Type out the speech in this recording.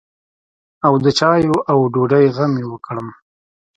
او د چايو او ډوډۍ غم يې وکړم.